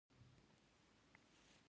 وچکالي څاروي وژني.